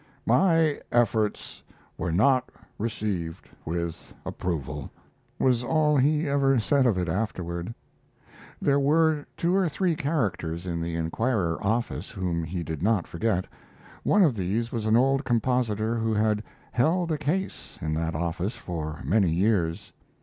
"My efforts were not received with approval," was all he ever said of it afterward. There were two or three characters in the 'Inquirer' office whom he did not forget. One of these was an old compositor who had "held a case" in that office for many years.